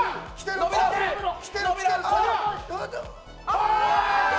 ああ。